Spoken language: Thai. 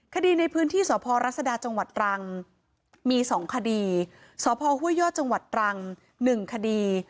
คดีในพื้นที่สพรัศดาจังหวัดตรังมี๒คดีสพห้วยยอดจังหวัดตรัง๑คดี